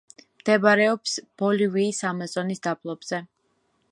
მდებარეობს ბოლივიის ამაზონის დაბლობზე.